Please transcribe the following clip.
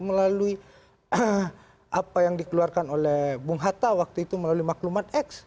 melalui apa yang dikeluarkan oleh bung hatta waktu itu melalui maklumat x